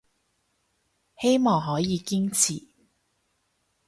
希望可以堅持